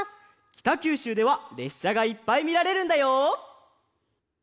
きたきゅうしゅうではれっしゃがいっぱいみられるんだよ。